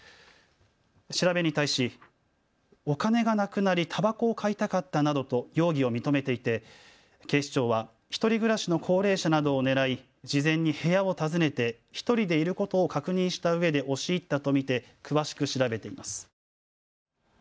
調べに対しお金がなくなりたばこを買いたかったなどと容疑を認めていて警視庁は１人暮らしの高齢者などを狙い事前に部屋を訪ねて１人でいることを確認したうえで押し入ったと見て詳しく調べています。